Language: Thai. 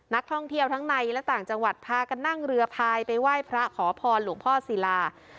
นักท่องเที่ยวทั้งในและต่างจังหวัดพากันนั่งเรือพายไปไหว้พระขอพรหลวงพ่อศิลา